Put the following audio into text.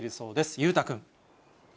裕太君。